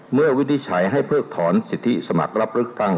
เมื่อวิธีใช้ให้เพิ่มถอนสิทธิสมัครับเลือกตั้ง